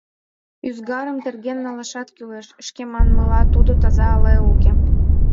— Ӱзгарым терген налашат кӱлеш, шке манмыла, тудо таза але уке.